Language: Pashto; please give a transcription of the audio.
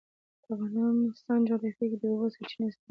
د افغانستان جغرافیه کې د اوبو سرچینې ستر اهمیت لري.